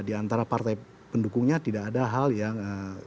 di antara partai pendukungnya tidak ada hal yang